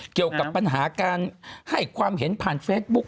เกี่ยวกับปัญหาการให้ความเห็นผ่านเฟซบุ๊ค